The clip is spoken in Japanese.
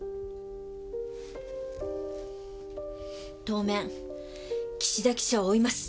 当面岸田記者を追います！